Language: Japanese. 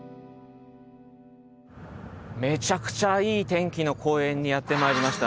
めちゃくちゃいい天気の公園にやって参りました。